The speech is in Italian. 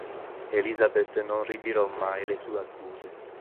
Elizabeth non ritirò mai le sue accuse.